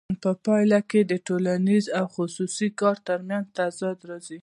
په پایله کې د ټولنیز او خصوصي کار ترمنځ تضاد راځي